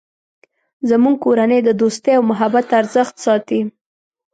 زموږ کورنۍ د دوستۍ او محبت ارزښت ساتی